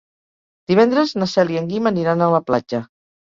Divendres na Cel i en Guim aniran a la platja.